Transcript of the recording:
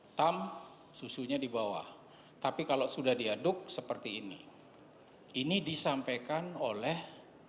hai tam susunya di bawah tapi kalau sudah diaduk seperti ini ini disampaikan oleh